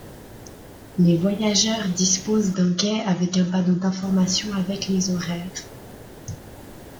Les voyageurs disposent d'un quai avec un panneau d'information avec les horaires.